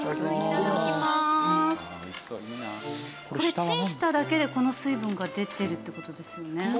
これチンしただけでこの水分が出てるって事ですよね。